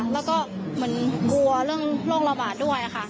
แล้วก็เหมือนกลัวเรื่องโรคระบาดด้วยค่ะ